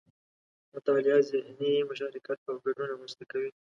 مطالعه ذهني مشارکت او ګډون رامنځته کوي